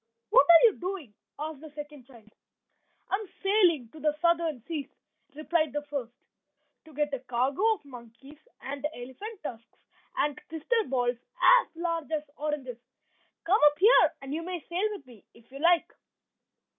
"What are you doing?" asked the second child. "I am sailing to the Southern Seas," replied the first, "to get a cargo of monkeys, and elephant tusks, and crystal balls as large as oranges. Come up here, and you may sail with me if you like."